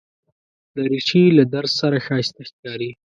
دریشي له درز سره ښایسته ښکاري.